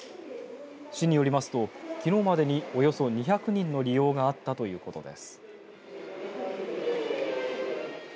市によりますときのうまでにおよそ２００人の利用があったということです。